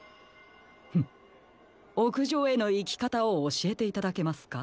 おくじょうへのいきかたをおしえていただけますか？